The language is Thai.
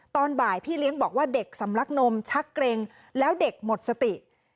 ตอนบ่ายพี่เลี้ยงบอกว่าเด็กสำลักนมชักเกร็งแล้วเด็กหมดสติ